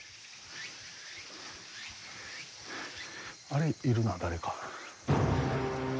あれいるな誰か。